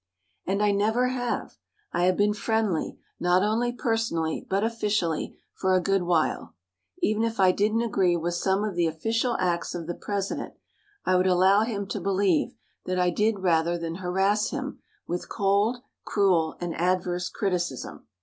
And I never have. I have been friendly, not only personally, but officially, for a good while. Even if I didn't agree with some of the official acts of the president I would allow him to believe that I did rather than harass him with cold, cruel and adverse criticism.